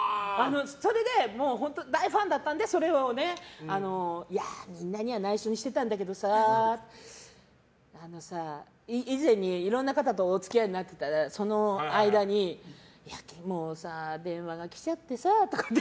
それで本当に大ファンだったのでそれを、いやみんなには内緒にしてたんだけどさあのさ、以前いろんな方とお付き合いされてたその間に、もうさ電話が来ちゃってさとか。